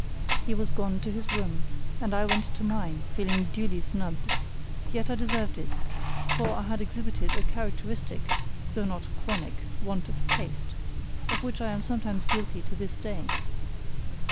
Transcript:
He was gone to his room, and I went to mine feeling duly snubbed; yet I deserved it; for I had exhibited a characteristic (though not chronic) want of taste, of which I am sometimes guilty to this day.